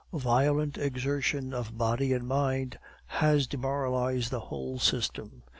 Violent exertion of body and mind has demoralized the whole system.